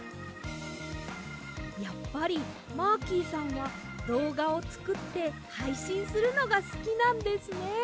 やっぱりマーキーさんはどうがをつくってはいしんするのがすきなんですね。